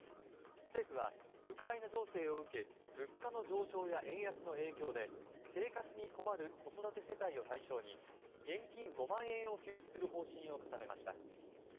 政府はウクライナ情勢を受け物価の上昇や円安の影響で生活に困る子育て世帯を対象に現金５万円を給付する方針を固めました。